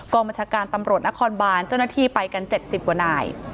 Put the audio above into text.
บัญชาการตำรวจนครบานเจ้าหน้าที่ไปกัน๗๐กว่านาย